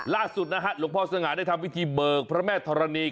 ล่าสุดนะฮะหลวงพ่อสง่าได้ทำพิธีเบิกพระแม่ธรณี